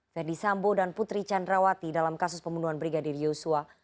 ferdisambo dan putri candrawati dalam kasus pembunuhan brigadir yosua